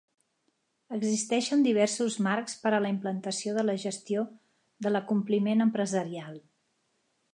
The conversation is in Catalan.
Existeixen diversos marcs per a la implantació de la gestió de l'acompliment empresarial.